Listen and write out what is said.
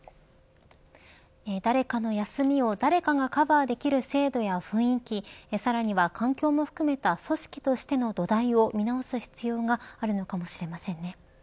誰かの休みを誰かがカバーできる制度や雰囲気さらには環境も含めた組織としての土台を見直す必要があるのかもしれませんね。